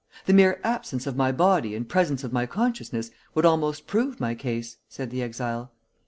The mere absence of my body and presence of my consciousness would almost prove my case," said the exile.